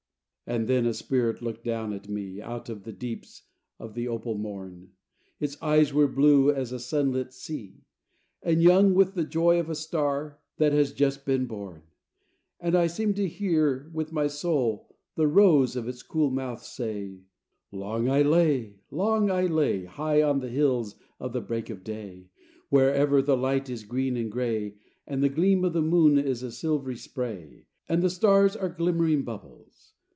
V And then a spirit looked down at me Out of the deeps of the opal morn: Its eyes were blue as a sunlit sea, And young with the joy of a star that has just been born: And I seemed to hear, with my soul, the rose of its cool mouth say: "Long I lay, long I lay, High on the Hills of the Break of Day, Where ever the light is green and gray, And the gleam of the moon is a silvery spray, And the stars are glimmering bubbles.